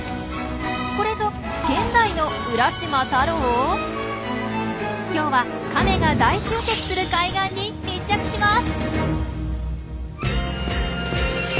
これぞ今日はカメが大集結する海岸に密着します。